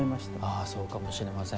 ああそうかもしれません。